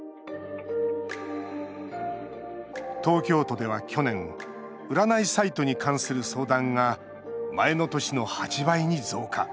東京都では去年占いサイトに関する相談が前の年の８倍に増加。